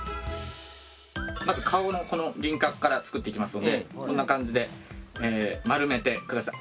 まず顔の輪郭から作っていきますのでこんな感じで丸めて下さい。